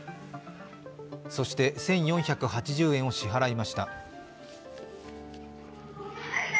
そして、１４８０円を支払いました。